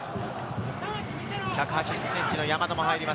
１８０ｃｍの山田も入ります。